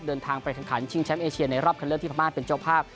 เดินทางไปแข่งขันชิงแชมป์เอเชียในรอบคันเลือกที่พม่าเป็นเจ้าภาพ